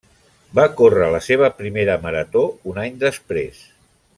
Va córrer la seva primera marató un any després.